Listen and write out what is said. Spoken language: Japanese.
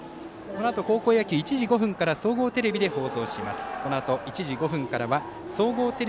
このあと高校野球は１時５分からは総合テレビで放送します。